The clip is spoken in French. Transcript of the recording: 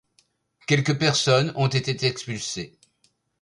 Quelques personnes ont été expulsées.